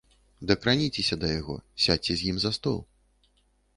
Дакраніцеся да яго, сядзьце з ім за стол.